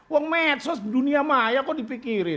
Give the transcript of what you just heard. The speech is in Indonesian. uang medsos dunia maya kok dipikirin